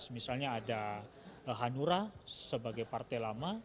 misalnya ada hanura sebagai partai lama